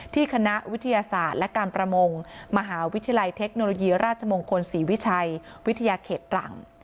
คณะวิทยาศาสตร์และการประมงมหาวิทยาลัยเทคโนโลยีราชมงคลศรีวิชัยวิทยาเขตตรัง